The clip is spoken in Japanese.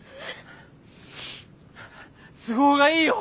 都合がいいよ。